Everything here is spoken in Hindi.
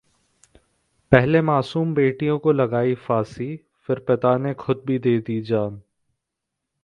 पहले मासूम बेटियों को लगाई फांसी फिर पिता ने खुद भी दे दी जान